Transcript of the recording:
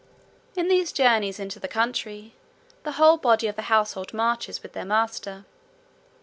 In these journeys into the country, 43 the whole body of the household marches with their master.